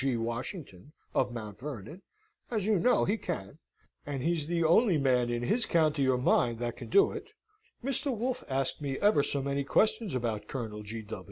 G. Washington, of Mount Vernon as you know he can, and he's the only man in his county or mine that can do it Mr. Wolfe asked me ever so many questions about Col.